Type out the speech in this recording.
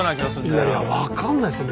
いやいや分かんないすね。